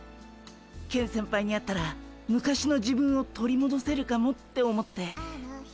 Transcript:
ケン先輩に会ったら昔の自分を取りもどせるかもって思って。